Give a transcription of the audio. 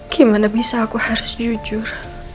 gimana bisa aku harus jujur